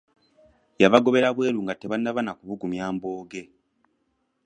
Yabagobera bweru nga tebannaba na kubugumya mbooge.